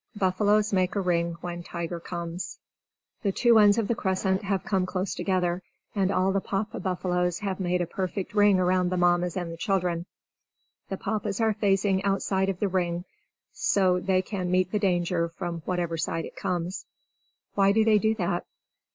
Buffaloes Make a Ring when Tiger Comes The two ends of the crescent have come close together, and all the Papa buffaloes have made a perfect ring around the Mammas and the children. The Papas are facing the outside of the ring; so they can meet the danger from whatever side it comes. Why do they do that?